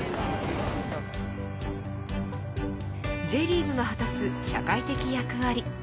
Ｊリーグが果たす社会的役割。